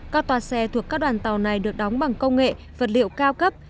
các toa xe thuộc các đoàn tàu này được đóng bằng công nghệ vật liệu cao cấp